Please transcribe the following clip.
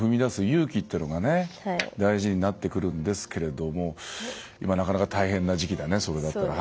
勇気っていうのが大事になってくるんですけれども今なかなか大変な時期だねそれだったら。